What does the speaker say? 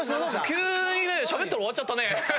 急にしゃべったら終わっちゃったね。